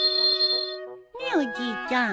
ねえおじいちゃん。